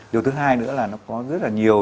điều thứ hai nữa là nó có rất là nhiều